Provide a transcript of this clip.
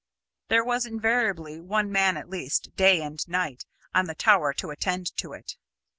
There was invariably one man at least, day and night, on the tower to attend to it.